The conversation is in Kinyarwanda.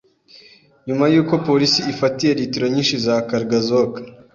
Nyuma y’uko Polisi ifatiye litiro nyinshi za Kargazok